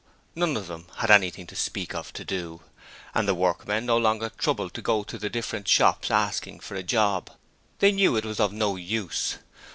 none of them had anything to speak of to do, and the workmen no longer troubled to go to the different shops asking for a job. They knew it was of no use.